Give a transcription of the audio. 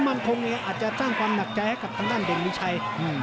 มั่นคงอาจจะสร้างความหนักใจให้กับทางด้านเด่นมีชัย